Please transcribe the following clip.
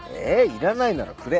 いらないならくれ！